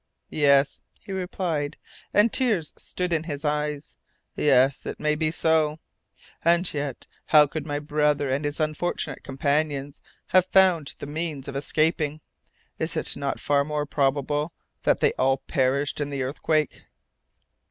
"Yes," he replied, and tears stood in his eyes, "yes, it may be so. And yet, how could my brother and his unfortunate companions have found the means of escaping? Is it not far more probable that they all perished in the earthquake?"